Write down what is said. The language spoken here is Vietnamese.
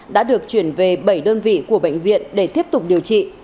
đã được chuyển về bảy đơn vị của bệnh viện để tiếp tục điều trị